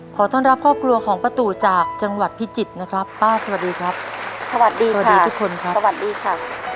ขอต้อนรับครอบครัวของป้าตู่จากจังหวัดพิจิตรนะครับป้าสวัสดีครับสวัสดีสวัสดีทุกคนครับสวัสดีค่ะ